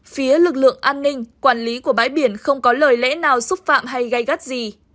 phía lực lượng an ninh quản lý của bãi biển không có lời lẽ nào xúc phạm hay gây gắt gì